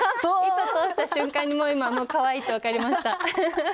糸通した瞬間にもう今かわいいって分かりました。